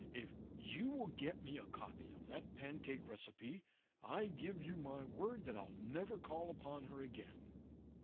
If you will get me a copy of that pancake recipe, I give you my word that I'll never call upon her again.'